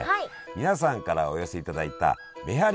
皆さんからお寄せいただいためはり